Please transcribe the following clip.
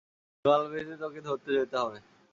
দলবেঁধে তোকে ধরতে যেতে হবে।